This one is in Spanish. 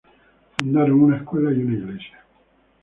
Fundaron una escuela y una iglesia.